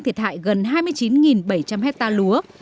thiệt hại gần hai mươi chín bảy trăm linh hectare lúa